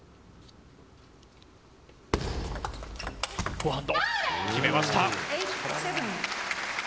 フォアハンド、決めました。